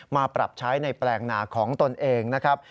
มาปรับใช้ในแปลงนาของตนเองนะครับ